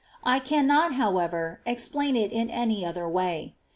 I cannot, however, explain it in any other way.